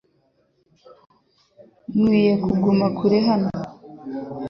Nkwiye kuguma kure hano .